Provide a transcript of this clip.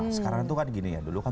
sekarang itu kan gini ya dulu kan